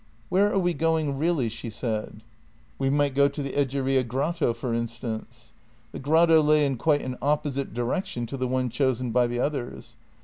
" Where are we going really ?" she said. " W'e might go to the Egeria grotto, for instance." The grotto lay in quite an opposite direction to the one chosen by the others.